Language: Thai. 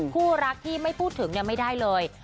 คู่รักที่ไม่พูดถึงไม่ได้เลย